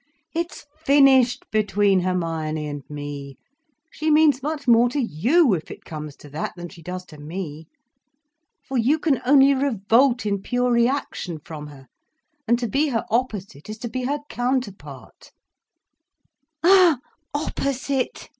It's finished between Hermione and me. She means much more to you, if it comes to that, than she does to me. For you can only revolt in pure reaction from her—and to be her opposite is to be her counterpart." "Ah, opposite!"